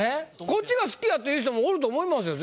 こっちが好きやという人もおると思いますよ